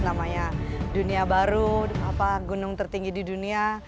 namanya dunia baru gunung tertinggi di dunia